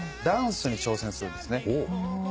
ダンスに挑戦するんですね。